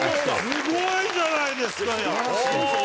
すごいじゃないですか！